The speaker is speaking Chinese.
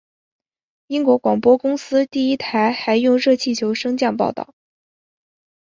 英国广播公司第一台还用热气球升空报导。